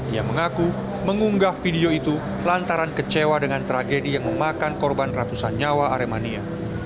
ia mengaku mengunggah video itu lantaran kecewa dengan tragedi yang memakan korban ratusan nyawa aremania